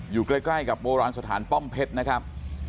อยู่ใกล้กับโบราณสถานป้อมเพชรนะครับ